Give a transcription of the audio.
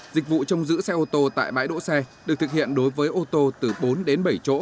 dịch vụ trông giữ xe ô tô tại bãi đỗ xe được thực hiện đối với ô tô từ bốn đến bảy chỗ